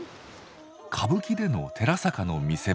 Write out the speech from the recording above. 歌舞伎での寺坂の見せ場。